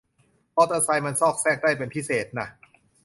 มอเตอร์ไซค์มันซอกแซกได้เป็นพิเศษน่ะ